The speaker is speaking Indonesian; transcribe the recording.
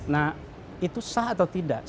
nah itu sah atau tidak